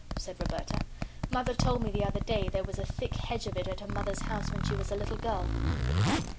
said Roberta. "Mother told me the other day there was a thick hedge of it at her mother's house when she was a little girl."